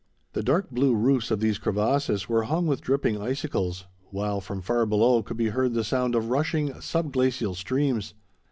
The dark blue roofs of these crevasses were hung with dripping icicles, while from far below could be heard the sound of rushing, sub glacial streams.